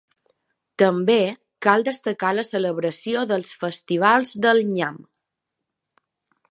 També cal destacar la celebració dels festivals del nyam.